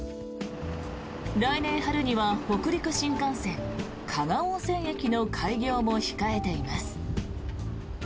来年春には北陸新幹線加賀温泉駅の開業も控えています。